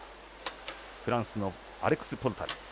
フランスのアレクス・ポルタル。